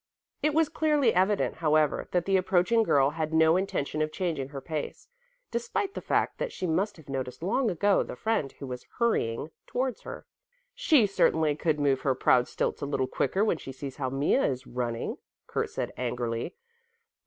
It was clearly evident, however, that the approaching girl had no intention of changing her pace, despite the fact that she must have noticed long ago the friend who was hurrying towards her. "She certainly could move her proud stilts a little quicker when she sees how Mea is running," Kurt said angrily.